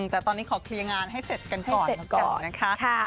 แต่ตอนนี้ขอเคลียร์งานให้เสร็จกันก่อนนะคะ